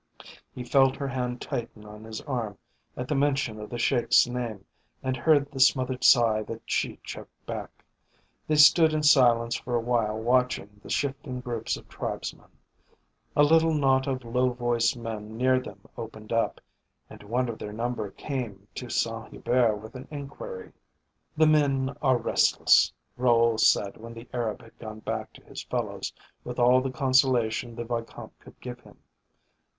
He felt her hand tighten on his arm at the mention of the Sheik's name and heard the smothered sigh that she choked back. They stood in silence for a while watching the shifting groups of tribesmen. A little knot of low voiced men near them opened up, and one of their number came to Saint Hubert with an inquiry. "The men are restless." Raoul said when the Arab had gone back to his fellows with all the consolation the Vicomte could give him.